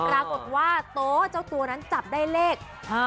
ปรากฏว่าโต๊เจ้าตัวนั้นจับได้เลข๕๗